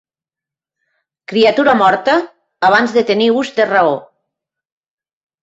Criatura morta abans de tenir ús de raó.